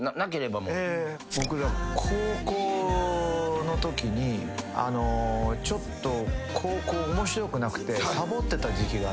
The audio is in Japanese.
僕が高校のときにちょっと面白くなくて。